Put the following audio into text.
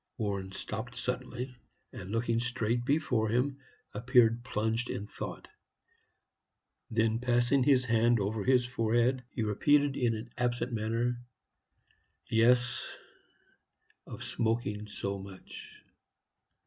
Warren stopped suddenly, and, looking straight before him, appeared plunged in thought. Then, passing his hand over his forehead, he repeated, in an absent manner, "Yes, of smoking so much.